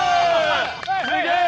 すげえ！